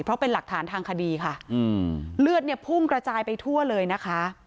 เพราะเป็นหลักฐานทางคดีค่ะอืมเลือดเนี่ยพุ่งกระจายไปทั่วเลยนะคะ